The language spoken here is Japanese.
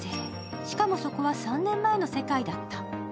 しかも、そこは３年前の世界だった。